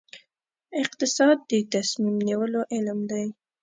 اقتصاد د تصمیم نیولو علم دی